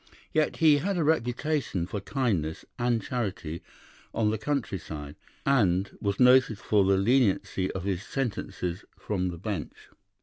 Yet he had a reputation for kindness and charity on the country side, and was noted for the leniency of his sentences from the bench.